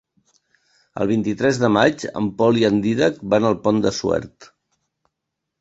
El vint-i-tres de maig en Pol i en Dídac van al Pont de Suert.